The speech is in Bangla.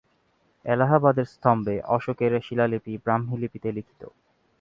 এলাহাবাদের স্তম্ভে অশোকের শিলালিপি ব্রাহ্মী লিপিতে লিখিত।